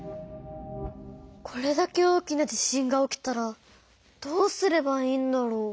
これだけ大きな地震が起きたらどうすればいいんだろう？